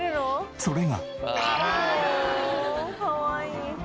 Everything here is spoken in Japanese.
それが。